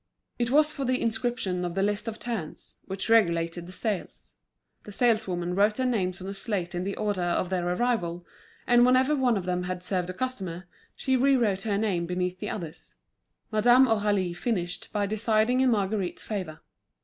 It was for the inscription on the list of turns, which regulated the sales. The saleswomen wrote their names on a slate in the order of their arrival, and whenever one of them had served a customer, she re wrote her name beneath the others. Madame Aurélie finished by deciding in Marguerite's favour.